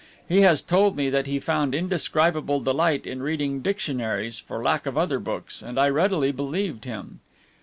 He has told me that he found indescribable delight in reading dictionaries for lack of other books, and I readily believed him.